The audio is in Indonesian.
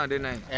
ada yang kemana